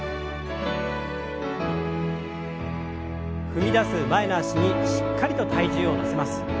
踏み出す前の脚にしっかりと体重を乗せます。